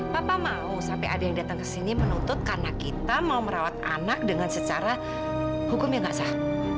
papa mau sampai ada yang datang ke sini menuntut karena kita mau merawat anak dengan secara hukum yang gak sah